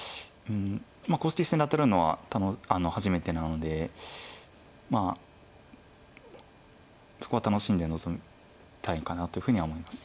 公式戦で当たるのは多分初めてなのでそこは楽しんで臨みたいかなというふうには思います。